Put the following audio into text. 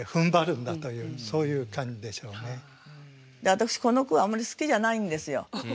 私この句はあんまり好きじゃないんですよ。